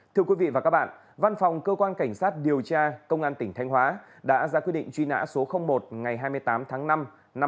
thưa quý vị và các bạn văn phòng cơ quan cảnh sát điều tra công an tỉnh thanh hóa đã ra quyết định truy nã số một ngày hai mươi tám tháng năm năm hai nghìn một mươi chín